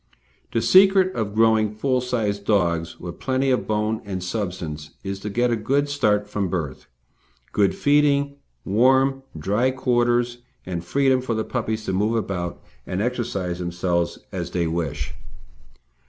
The secret of growing full sized dogs with plenty of bone and substance is to get a good start from birth, good feeding, warm, dry quarters, and freedom for the puppies to move about and exercise themselves as they wish.